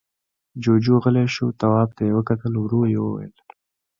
جُوجُو غلی شو، تواب ته يې وکتل، ورو يې وويل: